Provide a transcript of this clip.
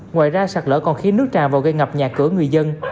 ngoài ra sạt lỡ còn khiến nước tràn vào gây ngập nhà cửa người dân